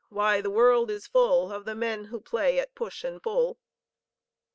why the world is full Of the men who play at push and pull.